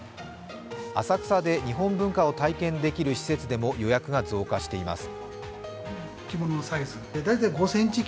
浅草で日本文化を体験できる施設でも予約が増加しています。